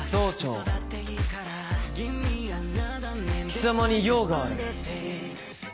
貴様に用がある。